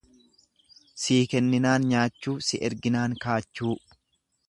Sii kenninaan nyaachuu, si erginaan kaachuu.